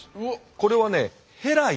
これをね